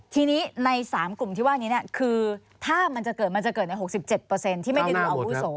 ทีนี้ใน๓กลุ่มที่ว่านี้คือถ้ามันจะเกิดมันจะเกิดใน๖๗ที่ไม่ได้ดูอาวุโส